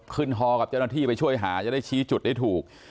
ฮอกับเจ้าหน้าที่ไปช่วยหาจะได้ชี้จุดได้ถูก